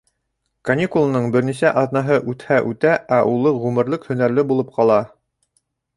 Каникулының бер нисә аҙнаһы үтһә-үтә, ә улы ғүмерлек һөнәрле булып ҡала.